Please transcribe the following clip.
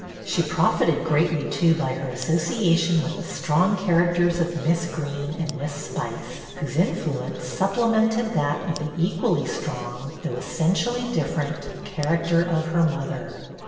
She profited greatly, too, by her associa tion with the strong characters of Miss Greene and Miss Spice, whose influence supplemented that of the equally strong, though essentially different, character of her mother.